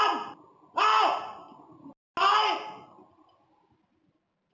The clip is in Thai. นอรมองว์